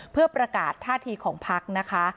เพื่อประกาศท่าทีของพักนะคะ